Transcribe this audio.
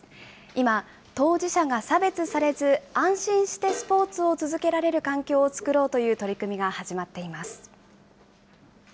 今、当事者が差別されず、安心してスポーツを続けられる環境を作ろうという取り組みが始まっています。